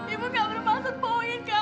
ibu tidak akan mencari saya